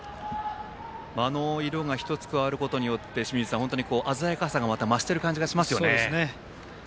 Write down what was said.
あの色が１つ加わることで鮮やかさが増した感じがします。